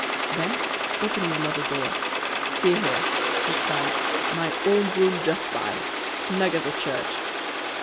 Then opening another door, "See here," he cried, "my own room just by; snug as a church!"